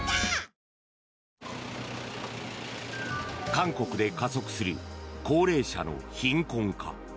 韓国で加速する高齢者の貧困化。